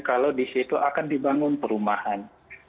kalau di situ akan dibangun perumahan